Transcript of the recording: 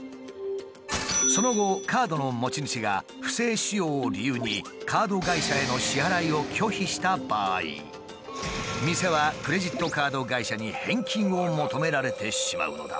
その後カードの持ち主が不正使用を理由にカード会社への支払いを拒否した場合店はクレジットカード会社に返金を求められてしまうのだ。